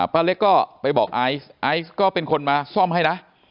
ป้าเล็กก็ไปบอกไอซ์ไอซ์ก็เป็นคนมาซ่อมให้นะ